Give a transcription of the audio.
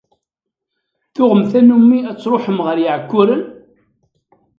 Tuɣem tanumi ad truḥem ɣer Iɛekkuren?